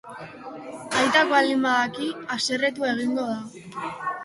Aitak baldin badaki, haserretu egingo da.